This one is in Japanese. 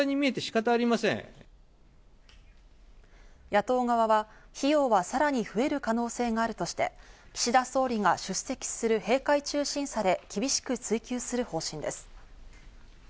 野党側は費用はさらに増える可能性があるとして、岸田総理が出席する閉会中審査で厳しく追及する方針です。